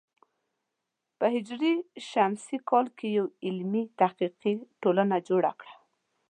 په ه ش کې یوه علمي تحقیقي ټولنه جوړه کړه.